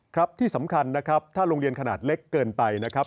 ครับที่สำคัญนะครับถ้าโรงเรียนขนาดเล็กเกินไปนะครับ